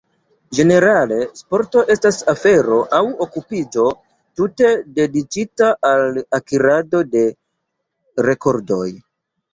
Ĝenerale sporto estas afero aŭ okupiĝo tute dediĉita al akirado de rekordoj.